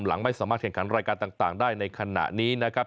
หลังไม่สามารถแข่งขันรายการต่างได้ในขณะนี้นะครับ